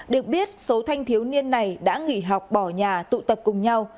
được biết số thanh thiếu niên này đã nghỉ học bỏ nhà tụ tập cùng nhau